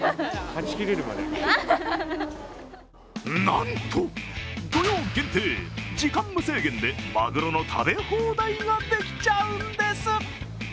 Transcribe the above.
なんと土曜限定、時間無制限でマグロの食べ放題ができちゃうんです。